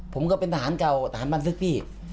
ผมก็เป็นทหารเก่าทหารบันทึกพี่